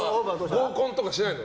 合コンとかしないの？